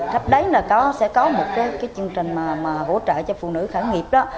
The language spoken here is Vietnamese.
khắp đấy là sẽ có một chương trình hỗ trợ cho phụ nữ khởi nghiệp đó